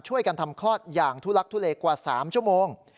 ช่วยกันทำคลอดอย่างทุลักทุเลกว่า๓ชั่วโมง